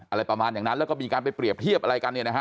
อะไรประมาณอย่างนั้นแล้วก็มีการไปเปรียบเทียบอะไรกันเนี่ยนะฮะ